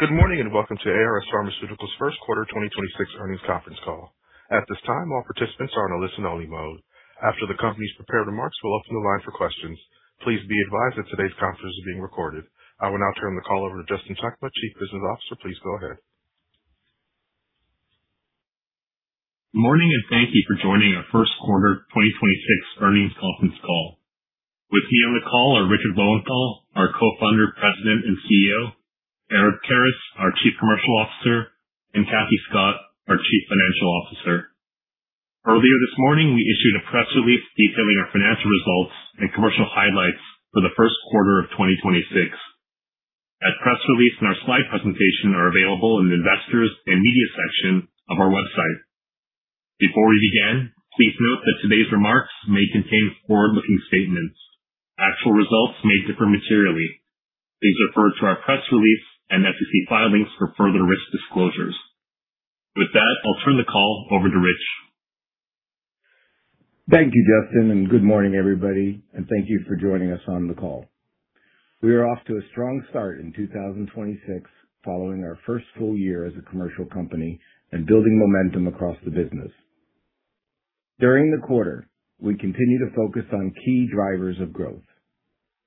Good morning, and welcome to ARS Pharmaceuticals' first quarter 2026 earnings conference call. At this time, all participants are on a listen-only mode. After the company's prepared remarks, we'll open the line for questions. Please be advised that today's conference is being recorded. I will now turn the call over to Justin Chakma, our Chief Business Officer. Please go ahead. Morning, and thank you for joining our first quarter 2026 earnings conference call. With me on the call are Richard Lowenthal, our Co-founder, President, and CEO, Eric Karas, our Chief Commercial Officer, and Kathy Scott, our Chief Financial Officer. Earlier this morning, we issued a press release detailing our financial results and commercial highlights for the first quarter of 2026. That press release and our slide presentation are available in the Investors and Media section of our website. Before we begin, please note that today's remarks may contain forward-looking statements. Actual results may differ materially. Please refer to our press release and SEC filings for further risk disclosures. With that, I'll turn the call over to Rich. Thank you, Justin, and good morning, everybody, and thank you for joining us on the call. We are off to a strong start in 2026 following our first full year as a commercial company and building momentum across the business. During the quarter, we continued to focus on key drivers of growth,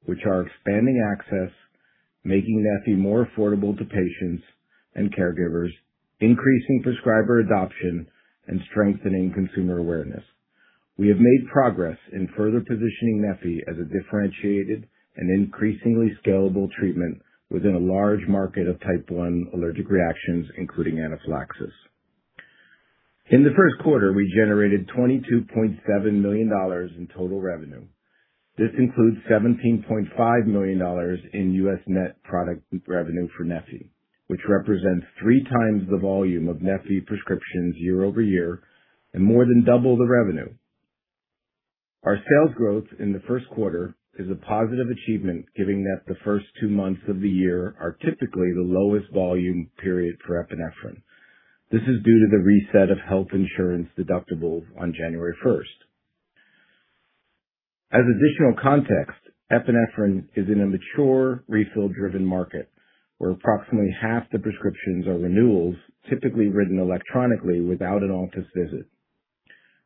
which are expanding access, making neffy more affordable to patients and caregivers, increasing prescriber adoption, and strengthening consumer awareness. We have made progress in further positioning neffy as a differentiated and increasingly scalable treatment within a large market of type 1 allergic reactions, including anaphylaxis. In the first quarter, we generated $22.7 million in total revenue. This includes $17.5 million in U.S. net product revenue for neffy, which represents 3 times the volume of neffy prescriptions year-over-year and more than double the revenue. Our sales growth in the first quarter is a positive achievement, giving that the first two months of the year are typically the lowest volume period for epinephrine. This is due to the reset of health insurance deductibles on January 1st. As additional context, epinephrine is in a mature refill-driven market where approximately half the prescriptions are renewals typically written electronically without an office visit.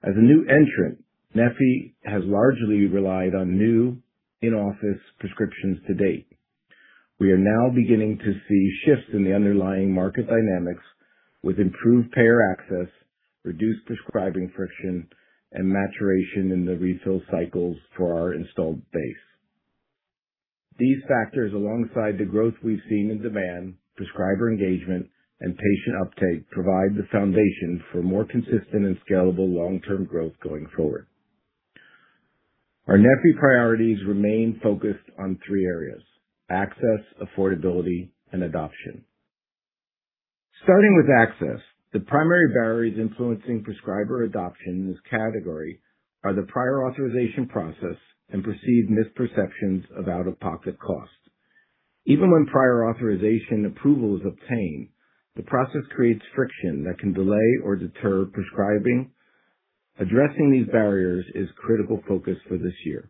As a new entrant, neffy has largely relied on new in-office prescriptions to date. We are now beginning to see shifts in the underlying market dynamics with improved payer access, reduced prescribing friction, and maturation in the refill cycles for our installed base. These factors, alongside the growth we've seen in demand, prescriber engagement, and patient uptake, provide the foundation for more consistent and scalable long-term growth going forward. Our neffy priorities remain focused on three areas: access, affordability, and adoption. Starting with access, the primary barriers influencing prescriber adoption in this category are the prior authorization process and perceived misperceptions of out-of-pocket cost. Even when prior authorization approval is obtained, the process creates friction that can delay or deter prescribing. Addressing these barriers is critical focus for this year.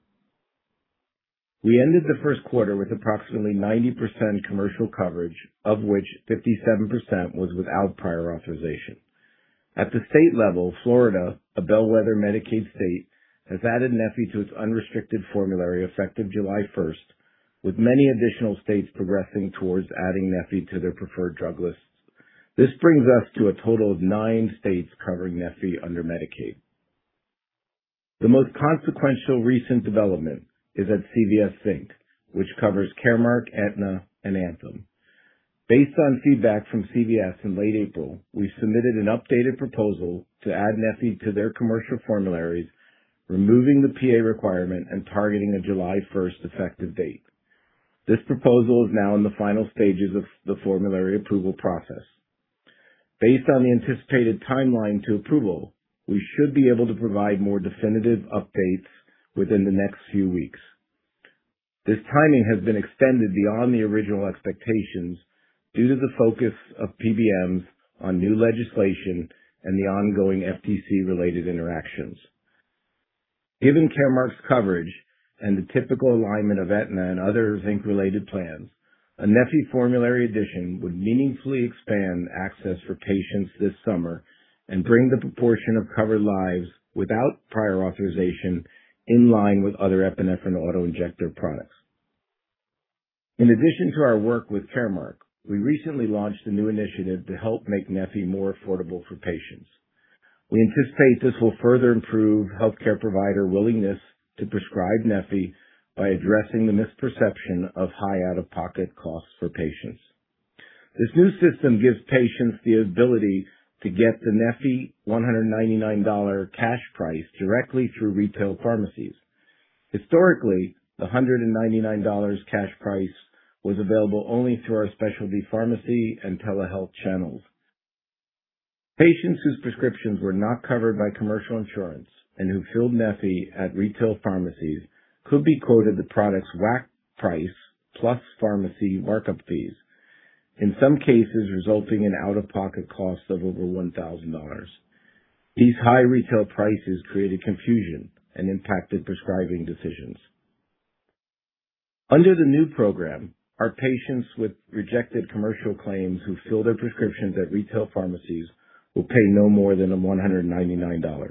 We ended the 1st quarter with approximately 90% commercial coverage, of which 57% was without prior authorization. At the state level, Florida, a bellwether Medicaid state, has added neffy to its unrestricted formulary effective July 1st, with many additional states progressing towards adding neffy to their preferred drug lists. This brings us to a total of nine states covering neffy under Medicaid. The most consequential recent development is at CVS Health, which covers Caremark, Aetna, and Anthem. Based on feedback from CVS in late April, we submitted an updated proposal to add neffy to their commercial formularies, removing the PA requirement and targeting a July 1st effective date. This proposal is now in the final stages of the formulary approval process. Based on the anticipated timeline to approval, we should be able to provide more definitive updates within the next few weeks. This timing has been extended beyond the original expectations due to the focus of PBMs on new legislation and the ongoing FTC-related interactions. Given Caremark's coverage and the typical alignment of Aetna and other Zinc-related plans, a neffy formulary addition would meaningfully expand access for patients this summer and bring the proportion of covered lives without prior authorization in line with other epinephrine auto-injector products. In addition to our work with Caremark, we recently launched a new initiative to help make neffy more affordable for patients. We anticipate this will further improve healthcare provider willingness to prescribe neffy by addressing the misperception of high out-of-pocket costs for patients. This new system gives patients the ability to get the neffy $199 cash price directly through retail pharmacies. Historically, the $199 cash price was available only through our specialty pharmacy and telehealth channels. Patients whose prescriptions were not covered by commercial insurance and who filled neffy at retail pharmacies could be quoted the product's WAC price plus pharmacy markup fees, in some cases resulting in out-of-pocket costs of over $1,000. These high retail prices created confusion and impacted prescribing decisions. Under the new program, our patients with rejected commercial claims who fill their prescriptions at retail pharmacies will pay no more than $199.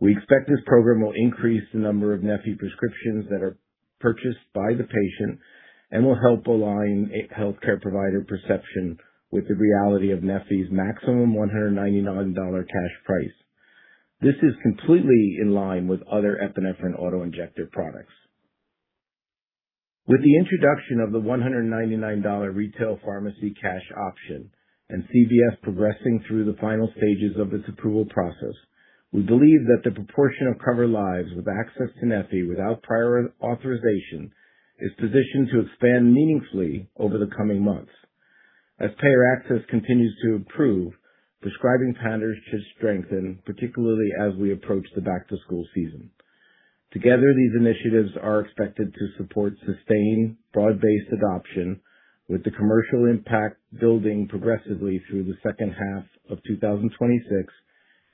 We expect this program will increase the number of neffy prescriptions that are purchased by the patient and will help align a healthcare provider perception with the reality of neffy's maximum $199 cash price. This is completely in line with other epinephrine auto-injector products. With the introduction of the $199 retail pharmacy cash option and CVS progressing through the final stages of its approval process, we believe that the proportion of covered lives with access to neffy without prior authorization is positioned to expand meaningfully over the coming months. As payer access continues to improve, prescribing patterns should strengthen, particularly as we approach the back-to-school season. Together, these initiatives are expected to support sustained broad-based adoption, with the commercial impact building progressively through the second half of 2026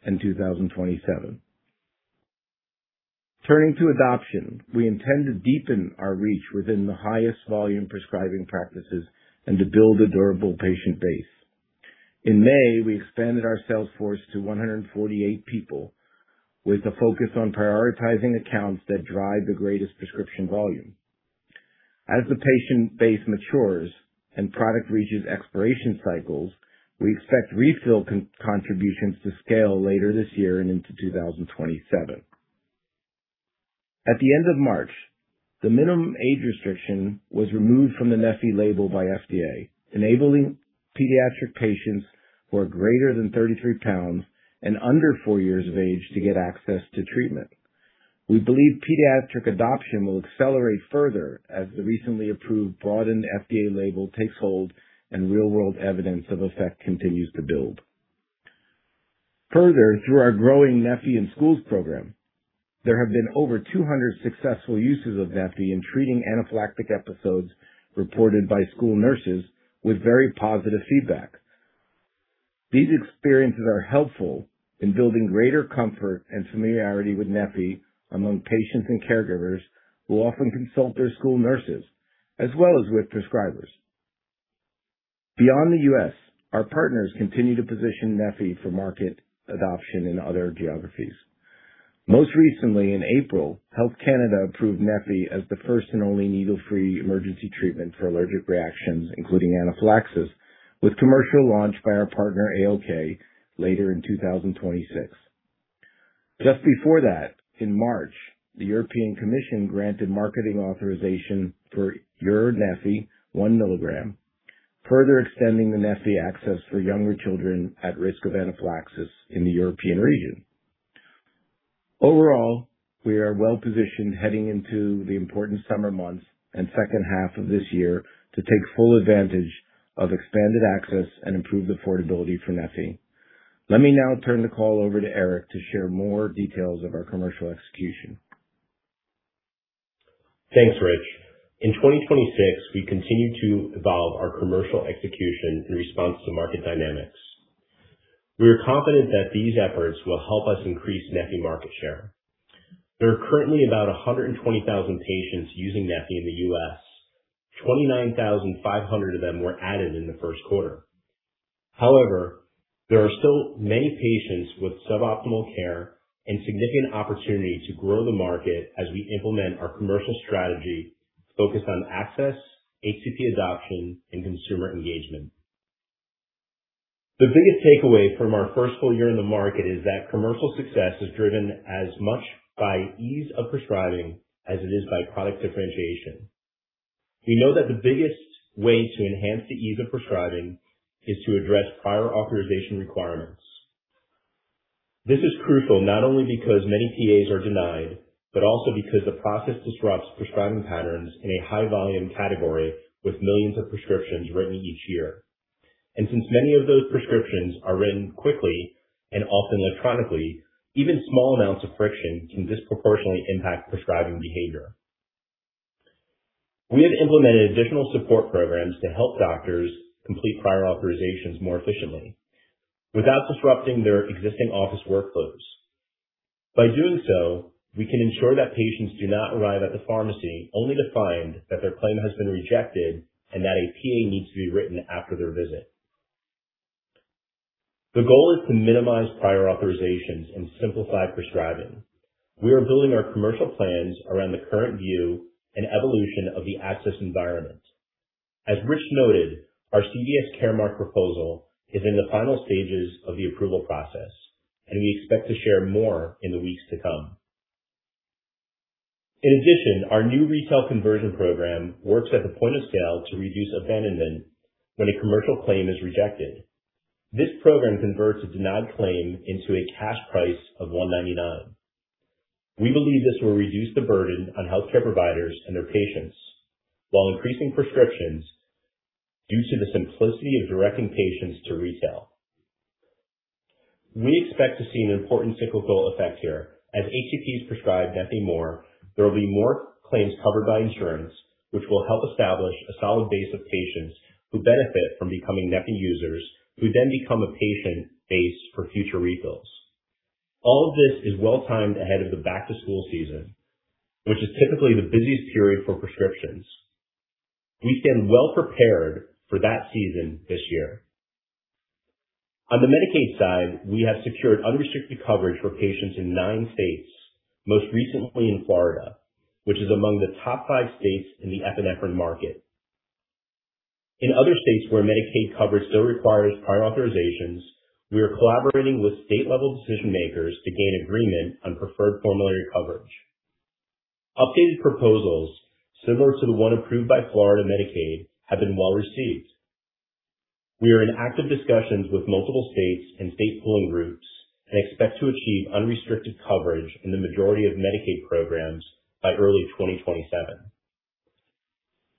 and 2027. Turning to adoption. We intend to deepen our reach within the highest volume prescribing practices and to build a durable patient base. In May, we expanded our sales force to 148 people with a focus on prioritizing accounts that drive the greatest prescription volume. As the patient base matures and product reaches expiration cycles, we expect refill contributions to scale later this year and into 2027. At the end of March, the minimum age restriction was removed from the neffy label by FDA, enabling pediatric patients who are greater than 33 pounds and under four years of age to get access to treatment. We believe pediatric adoption will accelerate further as the recently approved broadened FDA label takes hold and real-world evidence of effect continues to build. Further, through our growing neffyinSchools program, there have been over 200 successful uses of neffy in treating anaphylactic episodes reported by school nurses with very positive feedback. These experiences are helpful in building greater comfort and familiarity with neffy among patients and caregivers who often consult their school nurses as well as with prescribers. Beyond the U.S., our partners continue to position neffy for market adoption in other geographies. Most recently, in April, Health Canada approved neffy as the first and only needle-free emergency treatment for allergic reactions, including anaphylaxis, with commercial launch by our partner ALK later in 2026. Just before that, in March, the European Commission granted marketing authorization for EURneffy 1 mg, further extending the neffy access for younger children at risk of anaphylaxis in the European region. Overall, we are well-positioned heading into the important summer months and second half of this year to take full advantage of expanded access and improved affordability for neffy. Let me now turn the call over to Eric to share more details of our commercial execution. Thanks, Rich. In 2026, we continued to evolve our commercial execution in response to market dynamics. We are confident that these efforts will help us increase neffy market share. There are currently about 120,000 patients using neffy in the U.S. 29,500 of them were added in the first quarter. However, there are still many patients with suboptimal care and significant opportunity to grow the market as we implement our commercial strategy focused on access, HCP adoption, and consumer engagement. The biggest takeaway from our first full year in the market is that commercial success is driven as much by ease of prescribing as it is by product differentiation. We know that the biggest way to enhance the ease of prescribing is to address prior authorization requirements. This is crucial not only because many PAs are denied, but also because the process disrupts prescribing patterns in a high-volume category with millions of prescriptions written each year. Since many of those prescriptions are written quickly and often electronically, even small amounts of friction can disproportionately impact prescribing behavior. We have implemented additional support programs to help doctors complete prior authorizations more efficiently without disrupting their existing office workflows. By doing so, we can ensure that patients do not arrive at the pharmacy only to find that their claim has been rejected and that a PA needs to be written after their visit. The goal is to minimize prior authorizations and simplify prescribing. We are building our commercial plans around the current view and evolution of the access environment. As Rich noted, our CVS Caremark proposal is in the final stages of the approval process, and we expect to share more in the weeks to come. In addition, our new retail conversion program works at the point of sale to reduce abandonment when a commercial claim is rejected. This program converts a denied claim into a cash price of $199. We believe this will reduce the burden on healthcare providers and their patients while increasing prescriptions due to the simplicity of directing patients to retail. We expect to see an important cyclical effect here. As HCPs prescribe neffy more, there will be more claims covered by insurance, which will help establish a solid base of patients who benefit from becoming neffy users, who then become a patient base for future refills. All of this is well-timed ahead of the back-to-school season, which is typically the busiest period for prescriptions. We stand well-prepared for that season this year. On the Medicaid side, we have secured unrestricted coverage for patients in nine states, most recently in Florida, which is among the top 5 states in the epinephrine market. In other states where Medicaid coverage still requires prior authorizations, we are collaborating with state-level decision-makers to gain agreement on preferred formulary coverage. Updated proposals similar to the one approved by Florida Medicaid have been well received. We are in active discussions with multiple states and state pooling groups and expect to achieve unrestricted coverage in the majority of Medicaid programs by early 2027.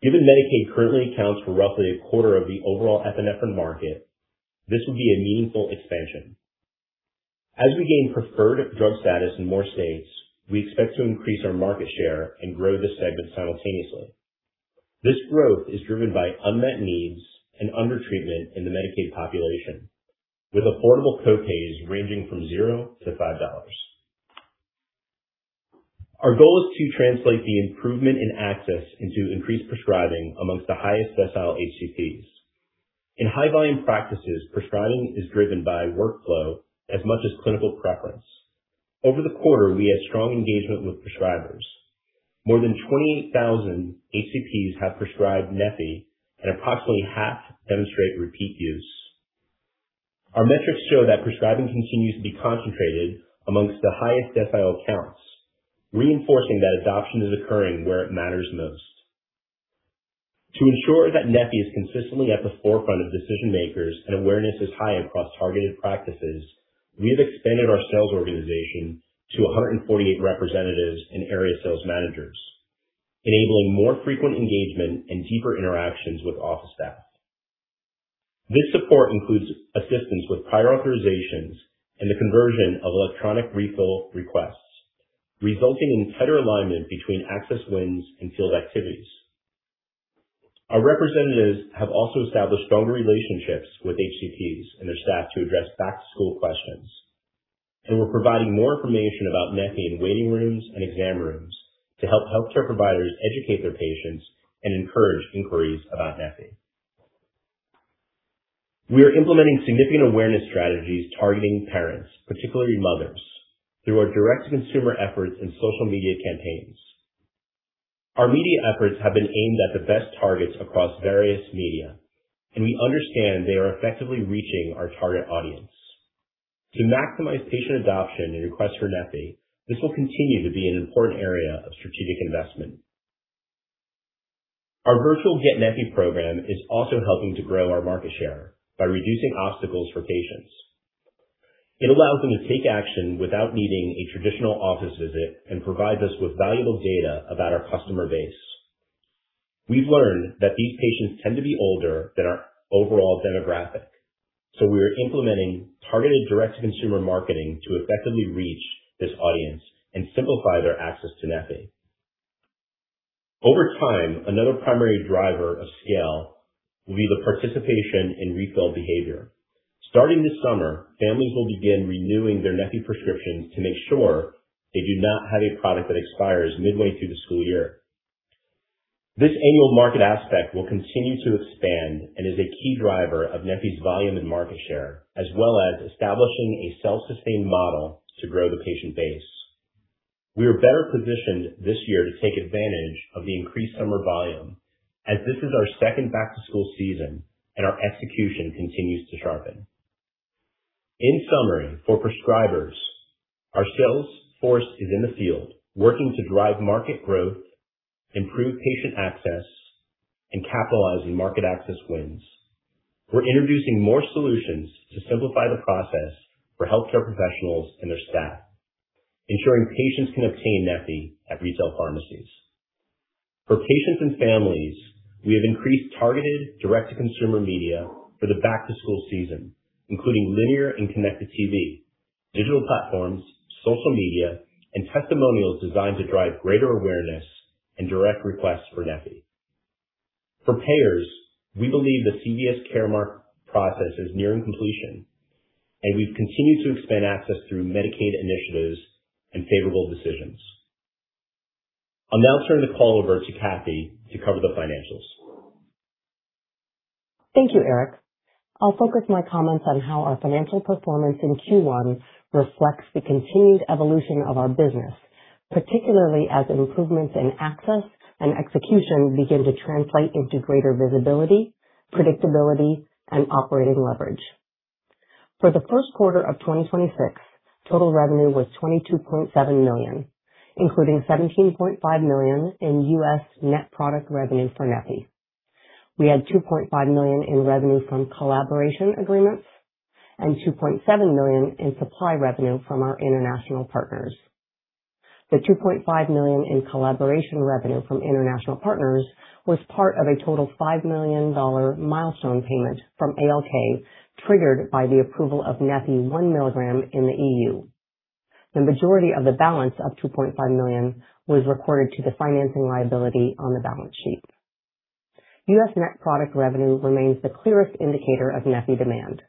Given Medicaid currently accounts for roughly 1/4 of the overall epinephrine market, this will be a meaningful expansion. As we gain preferred drug status in more states, we expect to increase our market share and grow this segment simultaneously. This growth is driven by unmet needs and undertreatment in the Medicaid population, with affordable co-pays ranging from $0-$5. Our goal is to translate the improvement in access into increased prescribing amongst the highest decile HCPs. In high-volume practices, prescribing is driven by workflow as much as clinical preference. Over the quarter, we had strong engagement with prescribers. More than 28,000 HCPs have prescribed neffy, and approximately half demonstrate repeat use. Our metrics show that prescribing continues to be concentrated amongst the highest decile counts, reinforcing that adoption is occurring where it matters most. To ensure that neffy is consistently at the forefront of decision-makers and awareness is high across targeted practices, we have expanded our sales organization to 148 representatives and area sales managers, enabling more frequent engagement and deeper interactions with office staff. This support includes assistance with prior authorizations and the conversion of electronic refill requests, resulting in tighter alignment between access wins and field activities. Our representatives have also established stronger relationships with HCPs and their staff to address back-to-school questions. We're providing more information about neffy in waiting rooms and exam rooms to help healthcare providers educate their patients and encourage inquiries about neffy. We are implementing significant awareness strategies targeting parents, particularly mothers, through our direct consumer efforts and social media campaigns. Our media efforts have been aimed at the best targets across various media. We understand they are effectively reaching our target audience. To maximize patient adoption and requests for neffy, this will continue to be an important area of strategic investment. Our virtual Get neffy program is also helping to grow our market share by reducing obstacles for patients. It allows them to take action without needing a traditional office visit and provides us with valuable data about our customer base. We've learned that these patients tend to be older than our overall demographic, so we are implementing targeted direct-to-consumer marketing to effectively reach this audience and simplify their access to neffy. Over time, another primary driver of scale will be the participation in refill behavior. Starting this summer, families will begin renewing their neffy prescriptions to make sure they do not have a product that expires midway through the school year. This annual market aspect will continue to expand and is a key driver of neffy's volume and market share, as well as establishing a self-sustained model to grow the patient base. We are better positioned this year to take advantage of the increased summer volume as this is our second back-to-school season and our execution continues to sharpen. In summary, for prescribers, our sales force is in the field working to drive market growth, improve patient access, and capitalize on market access wins. We're introducing more solutions to simplify the process for healthcare professionals and their staff, ensuring patients can obtain neffy at retail pharmacies. For patients and families, we have increased targeted direct-to-consumer media for the back-to-school season, including linear and connected TV, digital platforms, social media, and testimonials designed to drive greater awareness and direct requests for neffy. For payers, we believe the CVS Caremark process is nearing completion, and we've continued to expand access through Medicaid initiatives and favorable decisions. I'll now turn the call over to Kathy to cover the financials. Thank you, Eric. I'll focus my comments on how our financial performance in Q1 reflects the continued evolution of our business, particularly as improvements in access and execution begin to translate into greater visibility, predictability, and operating leverage. For the first quarter of 2026, total revenue was $22.7 million, including $17.5 million in U.S. net product revenue for neffy. We had $2.5 million in revenue from collaboration agreements and $2.7 million in supply revenue from our international partners. The $2.5 million in collaboration revenue from international partners was part of a total $5 million milestone payment from ALK triggered by the approval of neffy 1 mg in the EU. The majority of the balance of $2.5 million was recorded to the financing liability on the balance sheet. U.S. net product revenue remains the clearest indicator of neffy demand.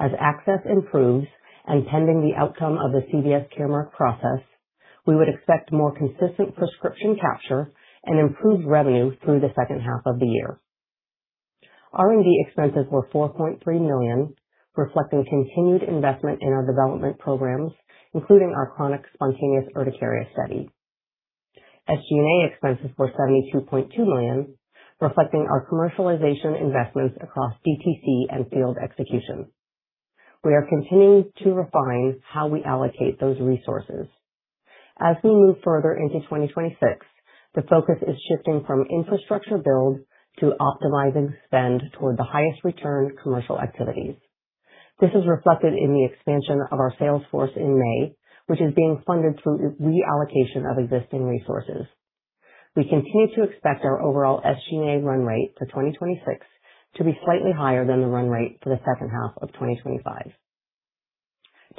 As access improves and pending the outcome of the CVS Caremark process, we would expect more consistent prescription capture and improved revenue through the second half of the year. R&D expenses were $4.3 million, reflecting continued investment in our development programs, including our chronic spontaneous urticaria study. SG&A expenses were $72.2 million, reflecting our commercialization investments across DTC and field execution. We are continuing to refine how we allocate those resources. As we move further into 2026, the focus is shifting from infrastructure build to optimizing spend toward the highest return commercial activities. This is reflected in the expansion of our sales force in May, which is being funded through reallocation of existing resources. We continue to expect our overall SG&A run rate for 2026 to be slightly higher than the run rate for the second half of 2025.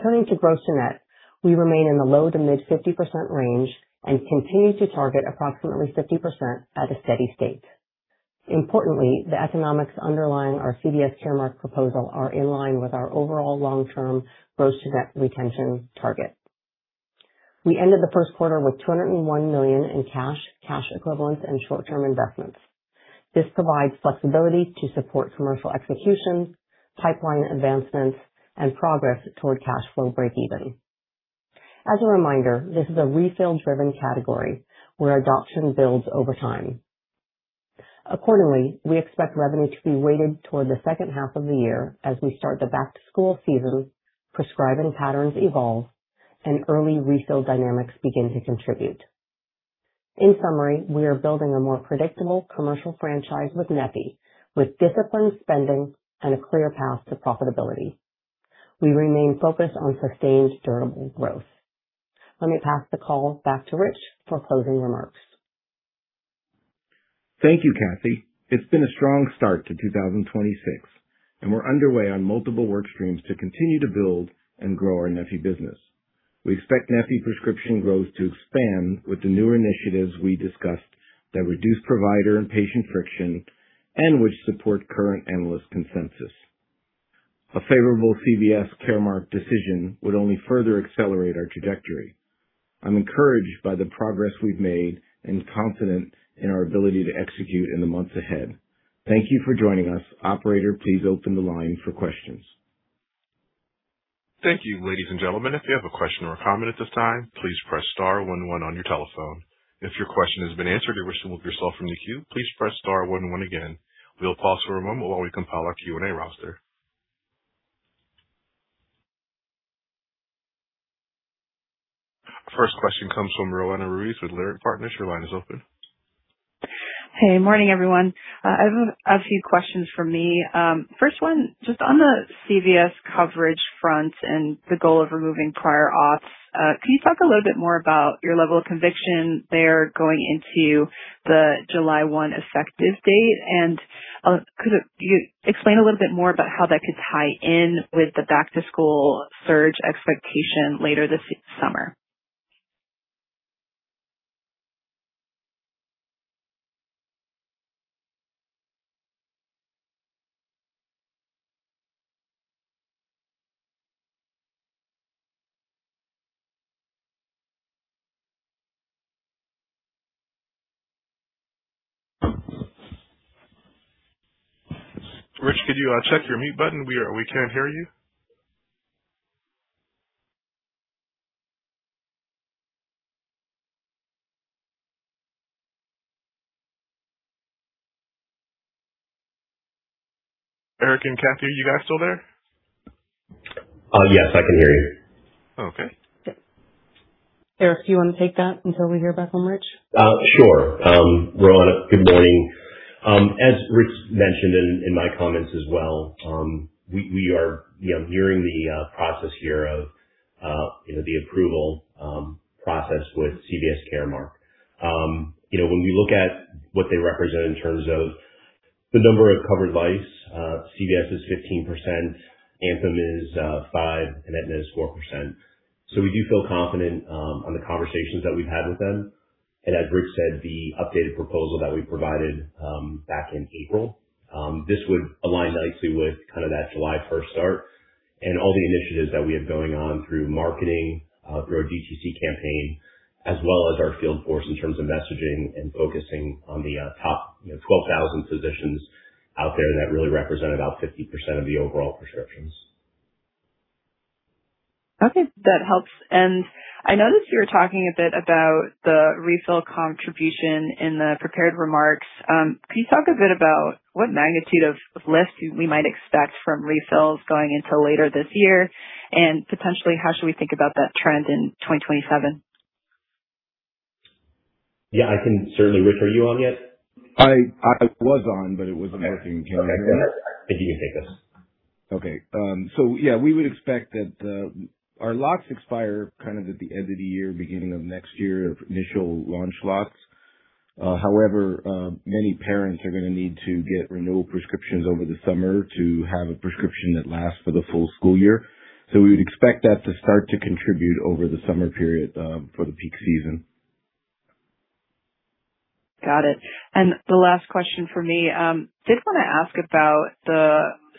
Turning to gross-to-net, we remain in the low to mid 50% range and continue to target approximately 50% at a steady state. Importantly, the economics underlying our CVS Caremark proposal are in line with our overall long-term gross-to-net retention target. We ended the first quarter with $201 million in cash equivalents and short-term investments. This provides flexibility to support commercial execution, pipeline advancements and progress toward cash flow breakeven. As a reminder, this is a refill-driven category where adoption builds over time. Accordingly, we expect revenue to be weighted toward the second half of the year as we start the back-to-school season, prescribing patterns evolve and early refill dynamics begin to contribute. In summary, we are building a more predictable commercial franchise with neffy with disciplined spending and a clear path to profitability. We remain focused on sustained durable growth. Let me pass the call back to Rich for closing remarks. Thank you, Kathy. It's been a strong start to 2026, and we're underway on multiple work streams to continue to build and grow our neffy business. We expect neffy prescription growth to expand with the newer initiatives we discussed that reduce provider and patient friction and which support current analyst consensus. A favorable CVS Caremark decision would only further accelerate our trajectory. I'm encouraged by the progress we've made and confident in our ability to execute in the months ahead. Thank you for joining us. Operator, please open the line for questions. Thank you. Ladies and gentlemen, if you have a question or comment at this time, please press star one one on your telephone. If your question has been answered, or you wish to remove yourself from the queue, please press star one one again. We'll pause for a moment while we compile our Q&A roster. First question comes from Roanna Ruiz with Leerink Partners. Your line is open. Hey, morning, everyone. I have a few questions for me. First one, just on the CVS coverage front and the goal of removing prior auths, can you talk a little bit more about your level of conviction there going into the July 1 effective date? Could you explain a little bit more about how that could tie in with the back-to-school surge expectation later this summer? Rich, could you check your mute button? We can't hear you. Eric and Kathy, are you guys still there? Yes, I can hear you. Okay. Eric, do you want to take that until we hear back from Rich? Sure. Roanna, good morning. As Rich mentioned in my comments as well, we are, you know, nearing the process here of, you know, the approval process with CVS Caremark. You know, when we look at what they represent in terms of the number of covered lives, CVS is 15%, Anthem is 5%, and Aetna is 4%. We do feel confident on the conversations that we've had with them. As Rich said, the updated proposal that we provided, back in April, this would align nicely with kind of that July 1st start and all the initiatives that we have going on through marketing, through our DTC campaign, as well as our field force in terms of messaging and focusing on the, top, you know, 12,000 physicians out there that really represent about 50% of the overall prescriptions. Okay, that helps. I noticed you were talking a bit about the refill contribution in the prepared remarks. Can you talk a bit about what magnitude of lift we might expect from refills going into later this year? Potentially, how should we think about that trend in 2027? Yeah, I can certainly. Rich, are you on yet? I was on, but it wasn't working. All right. I think you can take this. Okay. Yeah, we would expect that our lots expire kind of at the end of the year, beginning of next year of initial launch lots. However, many parents are going to need to get renewal prescriptions over the summer to have a prescription that lasts for the full school year. We would expect that to start to contribute over the summer period, for the peak season. Got it. The last question for me, did want to ask about the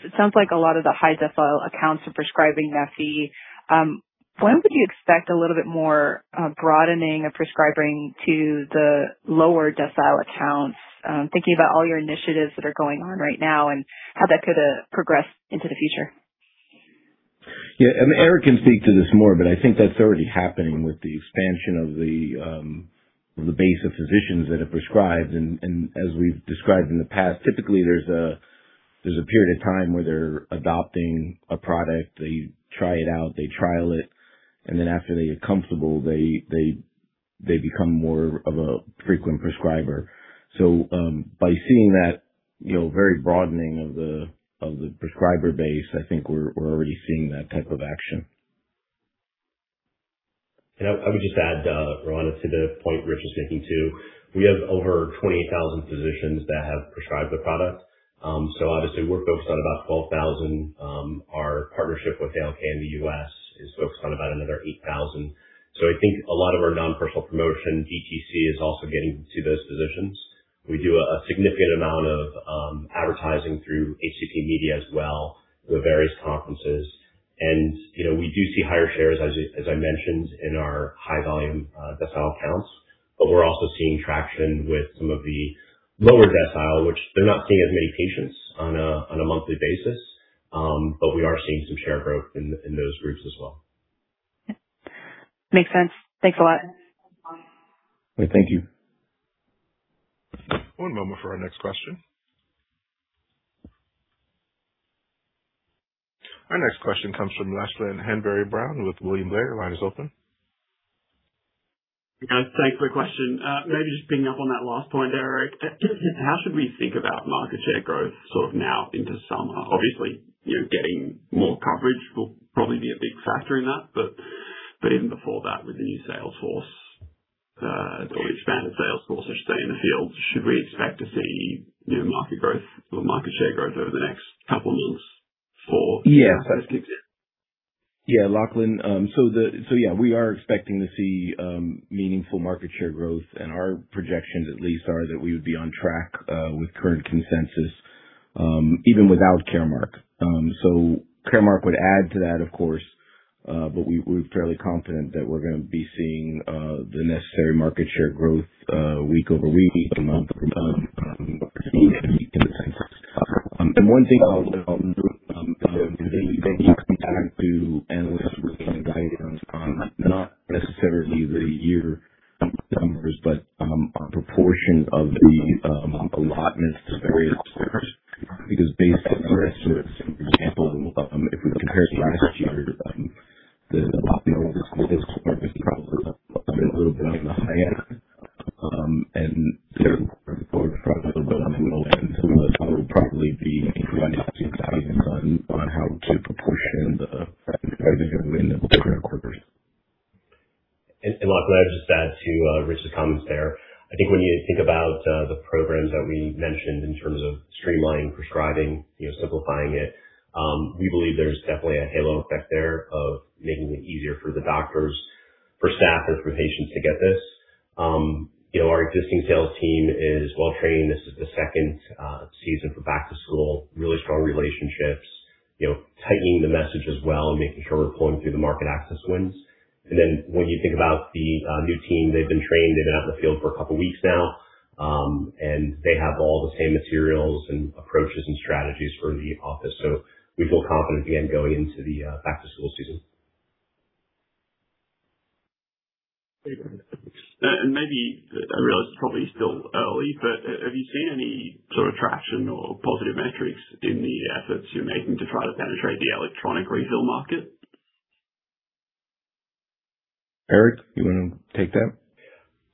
It sounds like a lot of the high decile accounts are prescribing neffy. When would you expect a little bit more broadening of prescribing to the lower decile accounts? Thinking about all your initiatives that are going on right now and how that could progress into the future. Yeah, Eric can speak to this more. I think that's already happening with the expansion of the base of physicians that have prescribed. As we've described in the past, typically there's a period of time where they're adopting a product. They try it out, they trial it. After they get comfortable, they become more of a frequent prescriber. By seeing that, you know, very broadening of the prescriber base, I think we're already seeing that type of action. I would just add, Roanna, to the point Rich is speaking to. We have over 20,000 physicians that have prescribed the product. Obviously we're focused on about 12,000. Our partnership with ALK in the U.S. is focused on about another 8,000. I think a lot of our non-personal promotion, DTC is also getting to those physicians. We do a significant amount of advertising through HCP media as well, the various conferences. You know, we do see higher shares as I mentioned in our high volume, decile accounts. We're also seeing traction with some of the lower decile, which they're not seeing as many patients on a monthly basis. We are seeing some share growth in those groups as well. Makes sense. Thanks a lot. Thank you. One moment for our next question. Our next question comes from Lachlan Hanbury-Brown with William Blair. Your line is open. Thanks for the question. Maybe just picking up on that last point, Eric. How should we think about market share growth sort of now into summer? Obviously, you know, getting more coverage will probably be a big factor in that. Even before that, with the new sales force, or expanded sales force, I should say, in the field, should we expect to see, you know, market growth or market share growth over the next couple of months? Yeah, Lachlan. Yeah, we are expecting to see meaningful market share growth, and our projections at least are that we would be on track with current consensus, even without Caremark. Caremark would add to that, of course. We're fairly confident that we're going to be seeing the necessary market share growth week over week, month over month, in the census. One thing I'll, that you can come back to analysts working on guidance, not necessarily the year numbers, but our proportion of the allotments to various, because based on our estimates, for example, if we compare to last year,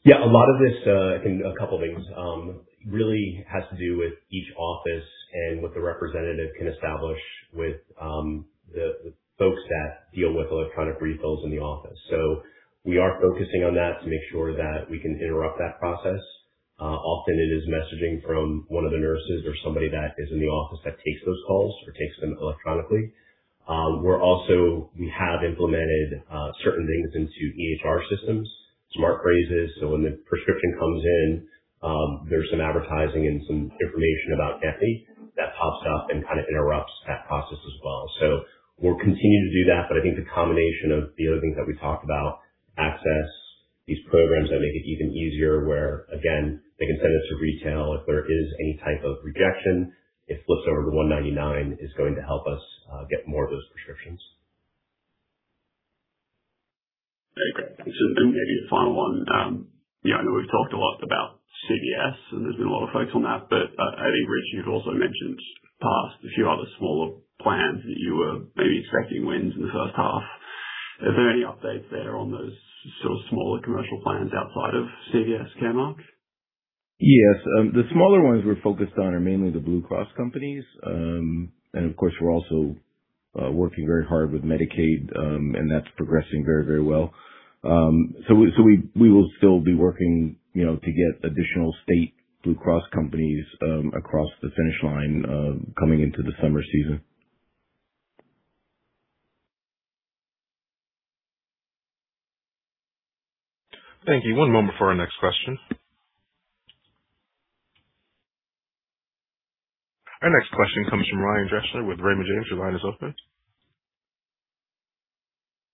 Yeah. A lot of this, a couple things, really has to do with each office and what the representative can establish with the folks that deal with electronic refills in the office. We are focusing on that to make sure that we can interrupt that process. Often it is messaging from one of the nurses or somebody that is in the office that takes those calls or takes them electronically. We have implemented certain things into EHR systems, smart phrases, so when the prescription comes in, there's some advertising and some information about neffy that pops up and kind of interrupts that process as well. We'll continue to do that. I think the combination of the other things that we talked about, access these programs that make it even easier, where again, they can send us to retail if there is any type of rejection, it flips over to $199, is going to help us get more of those prescriptions. Okay. Maybe a final one. you know, I know we've talked a lot about CVS and there's been a lot of focus on that, but I think Rich, you've also mentioned in the past a few other smaller plans that you were maybe expecting wins in the first half. Are there any updates there on those sort of smaller commercial plans outside of CVS Caremark? Yes. The smaller ones we're focused on are mainly the Blue Cross companies. Of course, we're also working very hard with Medicaid, and that's progressing very, very well. We will still be working, you know, to get additional state Blue Cross companies across the finish line coming into the summer season. Thank you. One moment for our next question. Our next question comes from Ryan Deschner with Raymond James. Your line is open.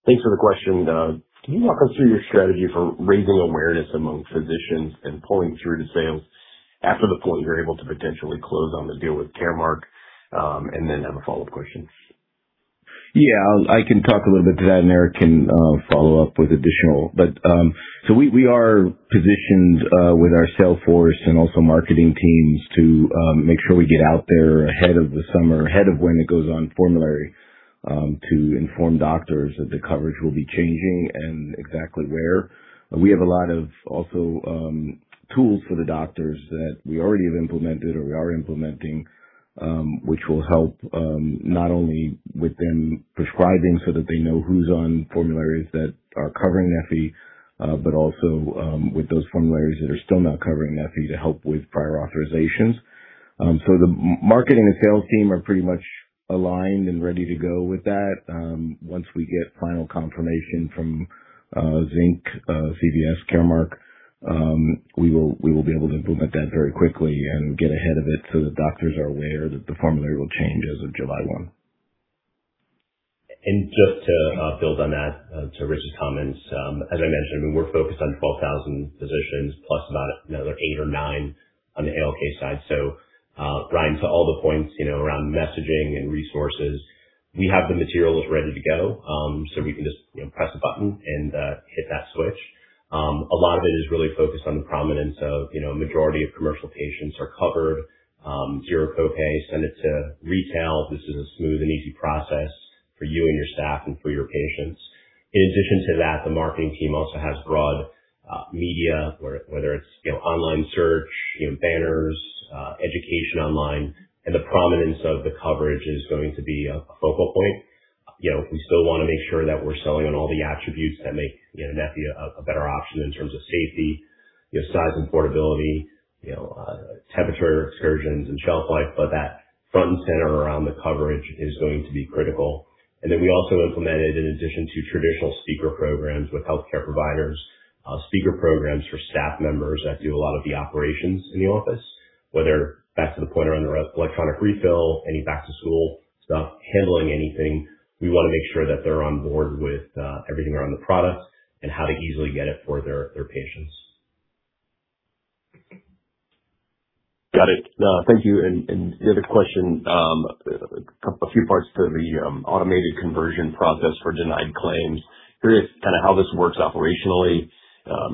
Thanks for the question. Can you walk us through your strategy for raising awareness among physicians and pulling through to sales after the point you're able to potentially close on the deal with Caremark? I have a follow-up question. I can talk a little bit to that, and Eric can follow up with additional. We are positioned with our sales force and also marketing teams to make sure we get out there ahead of the summer, ahead of when it goes on formulary, to inform doctors that the coverage will be changing and exactly where. We have a lot of also tools for the doctors that we already have implemented or we are implementing, which will help not only with them prescribing so that they know who's on formularies that are covering neffy, but also with those formularies that are still not covering neffy to help with prior authorizations. The marketing and sales team are pretty much aligned and ready to go with that. Once we get final confirmation from Cigna, CVS Caremark, we will be able to implement that very quickly and get ahead of it so that doctors are aware that the formulary will change as of July 1. Just to build on that, to Rich's comments. As I mentioned, I mean, we're focused on 12,000 physicians plus about another 8 or 9 on the ALK side. Ryan, to all the points, you know, around messaging and resources, we have the materials ready to go. We can just, you know, press a button and hit that switch. A lot of it is really focused on the prominence of, you know, majority of commercial patients are covered. Zero copay, send it to retail. This is a smooth and easy process for you and your staff and for your patients. In addition to that, the marketing team also has broad media, whether it's, you know, online search, you know, banners, education online. The prominence of the coverage is going to be a focal point. You know, we still want to make sure that we're selling on all the attributes that make, you know, neffy a better option in terms of safety, you know, size and portability, you know, temperature excursions and shelf life. That front and center around the coverage is going to be critical. We also implemented, in addition to traditional speaker programs with healthcare providers, speaker programs for staff members that do a lot of the operations in the office, whether that's to the point around electronic refill, any back to school stuff, handling anything. We want to make sure that they're on board with everything around the product and how to easily get it for their patients. Got it. Thank you. The other question, a few parts to the automated conversion process for denied claims. Curious kind of how this works operationally.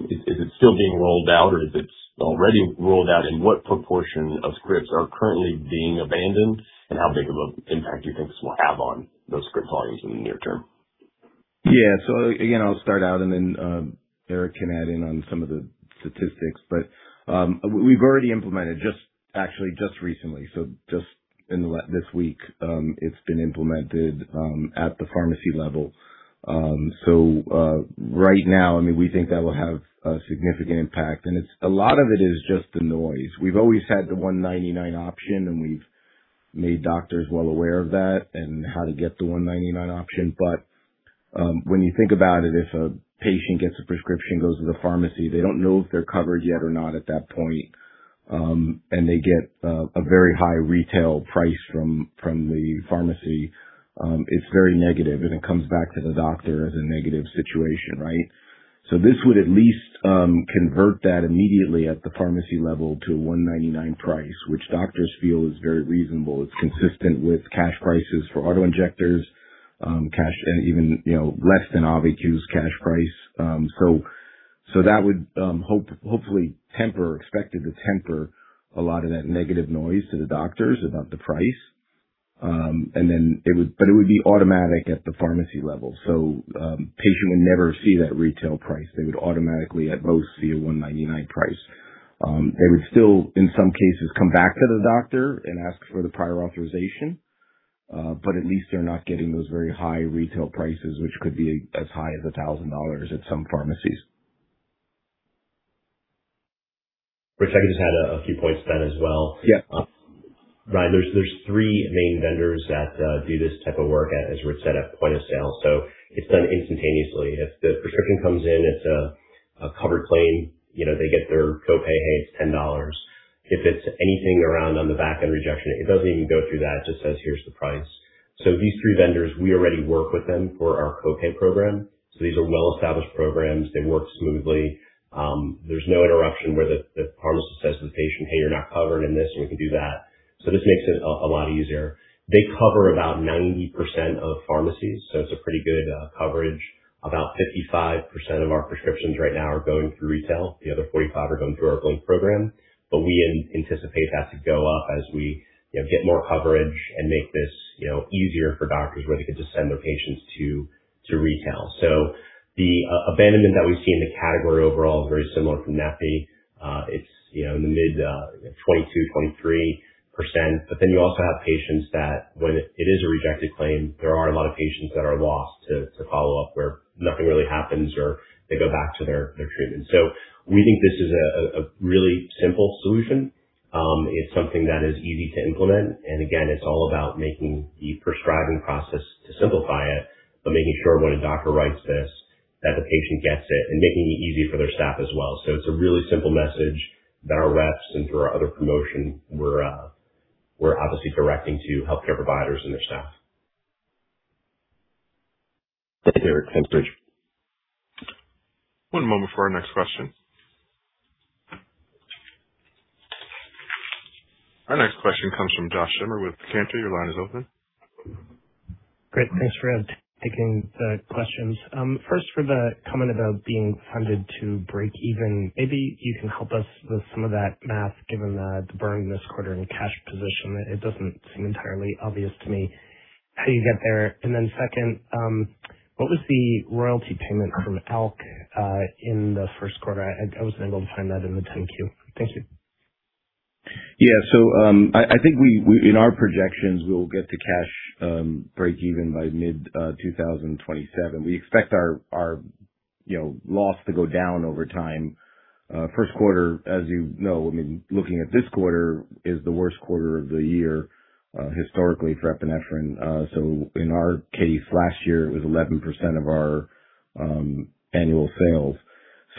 Is it still being rolled out or is it already rolled out? What proportion of scripts are currently being abandoned, and how big of a impact do you think this will have on those script volumes in the near term? Again, I'll start out and then Eric can add in on some of the statistics. We've already implemented actually just recently. Just this week, it's been implemented at the pharmacy level. Right now, I mean, we think that will have a significant impact. A lot of it is just the noise. We've always had the $199 option, and we've made doctors well aware of that and how to get the $199 option. When you think about it, if a patient gets a prescription, goes to the pharmacy, they don't know if they're covered yet or not at that point, and they get a very high retail price from the pharmacy. It's very negative, and it comes back to the doctor as a negative situation, right? This would at least convert that immediately at the pharmacy level to a $199 price, which doctors feel is very reasonable. It's consistent with cash prices for auto-injectors. Even, you know, less than AUVI-Q's cash price. That would hopefully temper, expected to temper a lot of that negative noise to the doctors about the price. It would be automatic at the pharmacy level. Patient would never see that retail price. They would automatically at most see a $199 price. It would still in some cases come back to the doctor and ask for the prior authorization. At least they're not getting those very high retail prices, which could be as high as $1,000 at some pharmacies. Rich, I just had a few points to that as well. Ryan, there's three main vendors that do this type of work, as Rich said, at point of sale. It's done instantaneously. If the prescription comes in, it's a covered claim, you know, they get their copay, "Hey, it's $10." If it's anything around on the back-end rejection, it doesn't even go through that. It just says, "Here's the price." These three vendors, we already work with them for our copay program. These are well-established programs. They work smoothly. There's no interruption where the pharmacist says to the patient, "Hey, you're not covered in this and we can do that." This makes it a lot easier. They cover about 90% of pharmacies, so it's a pretty good coverage. About 55% of our prescriptions right now are going through retail. The other 45 are going through our Patient Assistance Program. We anticipate that to go up as we, you know, get more coverage and make this, you know, easier for doctors where they can just send their patients to retail. The abandonment that we see in the category overall is very similar to neffy. It's, you know, in the mid 22%-23%. You also have patients that when it is a rejected claim, there are a lot of patients that are lost to follow-up where nothing really happens. They go back to their treatment. We think this is a really simple solution. It's something that is easy to implement. Again, it's all about making the prescribing process to simplify it, but making sure when a doctor writes this, that the patient gets it, and making it easy for their staff as well. It's a really simple message that our reps and through our other promotion, we're obviously directing to healthcare providers and their staff. Thank you. One moment before our next question. Our next question comes from Josh Schimmer with Cantor. Your line is open. Great. Thanks for taking the questions. 1st, for the comment about being funded to break even, maybe you can help us with some of that math, given the burn this quarter and cash position. It doesn't seem entirely obvious to me how you get there. 2nd, what was the royalty payment from ALK in the 1st quarter? I wasn't able to find that in the 10-Q. Thank you. I think we in our projections, we'll get to cash break even by mid 2027. We expect our, you know, loss to go down over time. First quarter, as you know, I mean, looking at this quarter is the worst quarter of the year historically for epinephrine. In our case, last year it was 11% of our annual sales.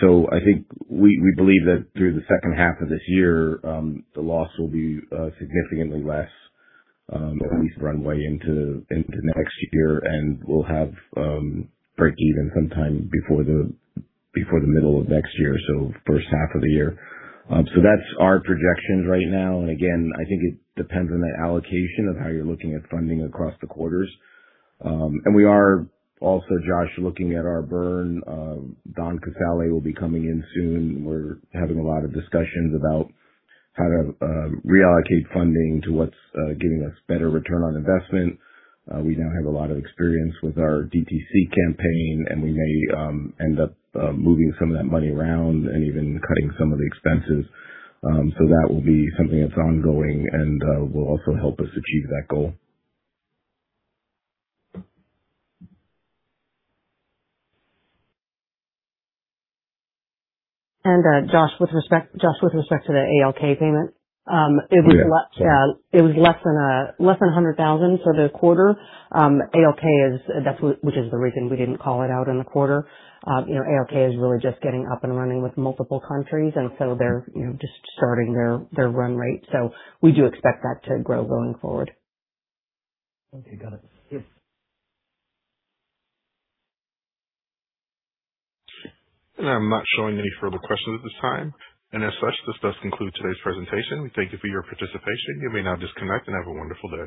I think we believe that through the second half of this year, the loss will be significantly less, at least runway into next year. We'll have break even sometime before the middle of next year, so first half of the year. That's our projections right now. Again, I think it depends on the allocation of how you're looking at funding across the quarters. We are also, Josh, looking at our burn. Donn Casale will be coming in soon. We're having a lot of discussions about how to reallocate funding to what's giving us better return on investment. We now have a lot of experience with our DTC campaign, and we may end up moving some of that money around and even cutting some of the expenses. That will be something that's ongoing and will also help us achieve that goal. Josh, with respect, Josh, with respect to the ALK payment, it was less than $100,000 for the quarter. ALK is definitely, which is the reason we didn't call it out in the quarter. You know, ALK is really just getting up and running with multiple countries, they're, you know, just starting their run rate. We do expect that to grow going forward. Okay, got it. I'm not showing any further questions at this time. As such, this does conclude today's presentation. Thank you for your participation. You may now disconnect and have a wonderful day.